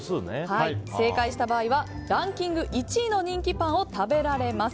正解した場合、ランキング１位の人気パンを食べられます。